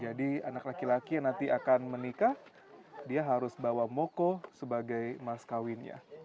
jadi anak laki laki yang nanti akan menikah dia harus bawa moko sebagai maskawinnya